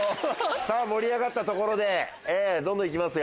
さぁ盛り上がったところでどんどん行きますよ。